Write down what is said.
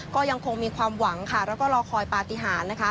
ก็ยังคงมีความหวังค่ะแล้วก็รอคอยปฏิหารนะคะ